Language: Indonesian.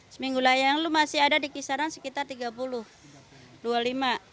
seminggu layang masih ada di kisaran sekitar rp tiga puluh rp dua puluh lima